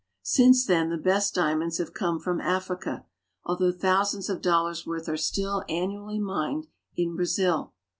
Since then the best diamonds have come from Africa, although thousands of dollars' worth are still annu ally mined in Brazil.